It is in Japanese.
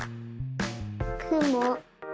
くも。